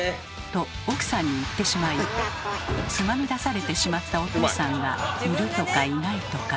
と奥さんに言ってしまいつまみ出されてしまったおとうさんがいるとかいないとか。